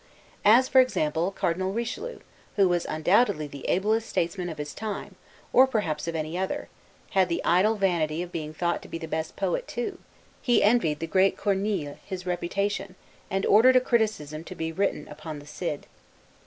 As, for example, Cardinal Richelieu, who was undoubtedly the ablest statesman of his time, or perhaps of any other, had the idle vanity of being thought the best poet too; he envied the great Corneille his reputation, and ordered a criticism to be written upon the "Cid."